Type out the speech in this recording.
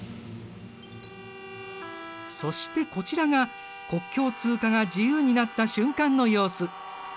そしてこちらが国境通過が自由になった瞬間の様子。